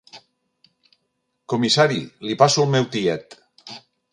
Comissari, li passo el meu tiet.